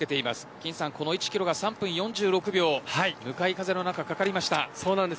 金さん、この１キロが３分４６秒向かい風の中かかりました。